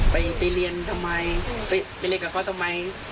ไปเรียนทำไมไปเรียนกับเขาทำไม